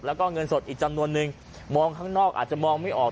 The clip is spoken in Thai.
แล้วก็เงินสดอีกจำนวนนึงมองข้างนอกอาจจะมองไม่ออก